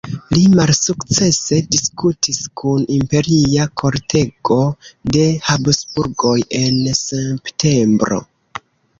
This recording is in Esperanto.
Li malsukcese diskutis kun Imperia Kortego de Habsburgoj en septembro.